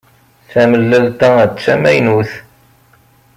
Tamellalt-a d tamaynut.